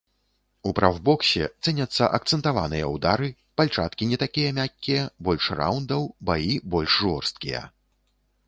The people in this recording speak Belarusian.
У прафбоксе цэняцца акцэнтаваныя ўдары, пальчаткі не такія мяккія, больш раўндаў, баі больш жорсткія.